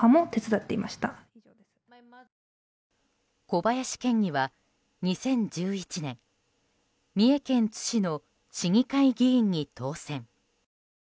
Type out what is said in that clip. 小林県議は２０１１年三重県津市の市議会議員に当選。